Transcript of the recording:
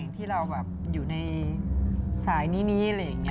อย่างที่เราอยู่ในสายนี้หรืออย่างนี้